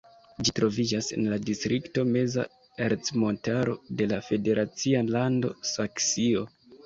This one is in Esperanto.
Ĝi troviĝas en la distrikto Meza Ercmontaro de la federacia lando Saksio.